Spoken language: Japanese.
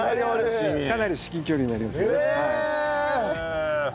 かなり至近距離になりますよね。